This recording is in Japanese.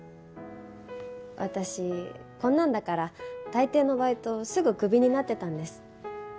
私こんなんだから大抵のバイトすぐクビになってたんです。